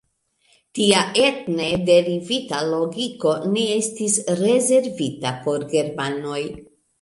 Tia etne derivita logiko ne estis rezervita por Germanoj.